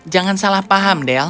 jangan salah paham della